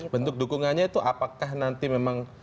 bentuk dukungannya itu apakah nanti memang